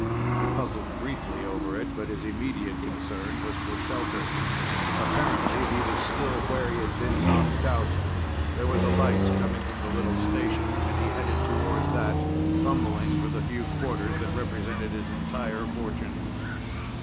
He puzzled briefly over it, but his immediate concern was for shelter. Apparently he was still where he had been knocked out. There was a light coming from the little station, and he headed toward that, fumbling for the few quarters that represented his entire fortune.